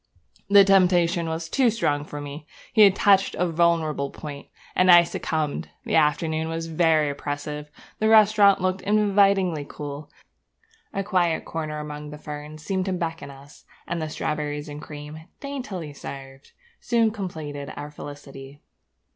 The temptation was too strong for me; he had touched a vulnerable point; and I succumbed. The afternoon was very oppressive; the restaurant looked invitingly cool; a quiet corner among the ferns seemed to beckon us; and the strawberries and cream, daintily served, soon completed our felicity.